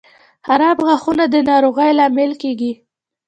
• خراب غاښونه د ناروغۍ لامل کیږي.